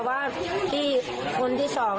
บอกว่าที่หุ่นรีสอร์ทค่ะ